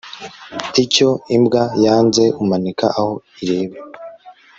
icyo imbwa yanze umanika aho ireba